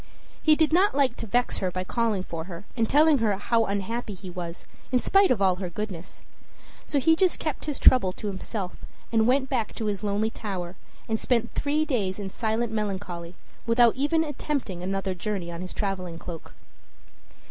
He did not like to vex her by calling for her and telling her how unhappy he was, in spite of all her goodness; so he just kept his trouble to himself, went back to his lonely tower, and spent three days in silent melancholy, without even attempting another journey on his traveling cloak.